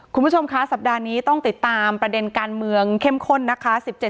คุณผู้ชมคะสัปดาห์นี้ต้องติดตามประเด็นการเมืองเข้มข้นนะคะ